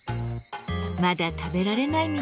まだ食べられないみたいですね。